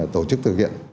tổ chức thực hiện